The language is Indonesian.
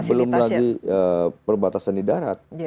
belum lagi perbatasan di darat